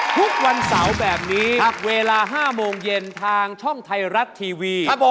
ทุกวันเสาร์แบบนี้เวลา๕โมงเย็นทางช่องไทยรัฐทีวี